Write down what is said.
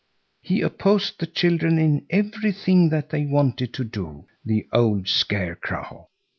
He opposed the children in everything that they wanted to do, the old scarecrow.